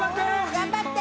頑張って！